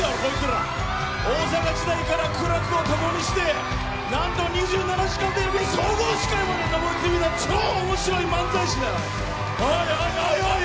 大阪時代から苦楽を共にしてなんと２７時間テレビの総合司会にまで登り詰めた超面白い漫才師だよ。